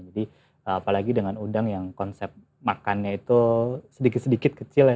jadi apalagi dengan udang yang konsep makannya itu sedikit sedikit kecil ya